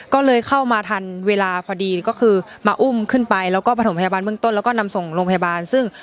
ก็เลยเข้ามาทันเวลาพอดีก็คือมาอุ้มขึ้นไปแล้วก็ประถมพยาบาลเบื้องต้นแล้วก็นำส่งโรงพยาบาลซึ่ง